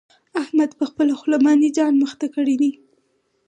احمد په خپله خوله باندې ځان مخته کړی دی.